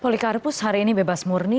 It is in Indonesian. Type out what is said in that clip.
polikarpus hari ini bebas murni